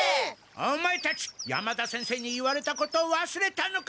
オマエたち山田先生に言われたことを忘れたのか！